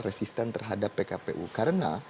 resisten terhadap pkpu karena